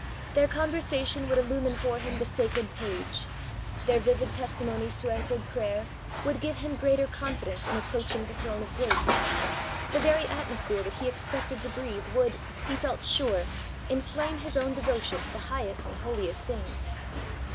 Their conversation would illumine for him the sacred page; their vivid testimonies to answered prayer would give him greater confidence in approaching the Throne of Grace; the very atmosphere that he expected to breathe would, he felt sure, inflame his own devotion to the highest and holiest things.